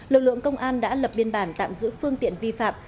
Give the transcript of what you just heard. lực lượng công an đã lập biên bản tạm giữ phương tiện vi phạm